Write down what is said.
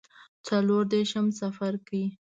څلور دیرشم څپرکی